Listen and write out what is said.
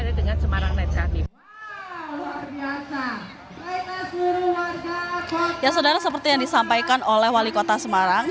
dengan semarang netca di luar biasa ya saudara seperti yang disampaikan oleh wali kota semarang